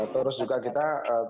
terus juga kita